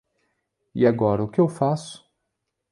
E agora o que eu faço?